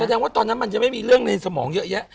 แสดงว่าตอนนั้นมันจะไม่มีเรื่องในสมองเยอะแยะ